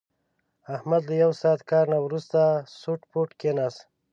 احمد له یو ساعت کار نه ورسته سوټ بوټ کېناست.